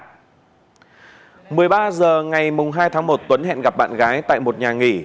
một mươi ba h ngày hai tháng một tuấn hẹn gặp bạn gái tại một nhà nghỉ